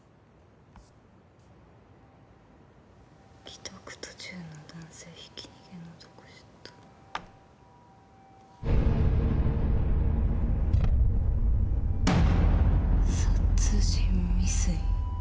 「帰宅途中の男性ひき逃げの男出頭」「殺人未遂」。